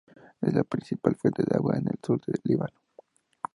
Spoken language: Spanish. Es la principal fuente de agua en el sur del Líbano.